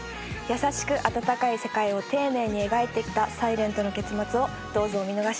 優しく温かい世界を丁寧に描いてきた『ｓｉｌｅｎｔ』の結末をどうぞお見逃しなく。